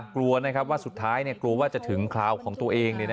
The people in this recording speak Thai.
กลัวว่าสุดท้ายกลัวว่าจะถึงคราวของตัวเอง